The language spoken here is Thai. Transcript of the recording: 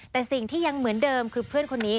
แต่สิ่งที่ยังเหมือนเดิมคือเพื่อนคนนี้